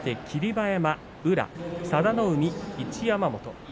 馬山宇良、佐田の海、一山本。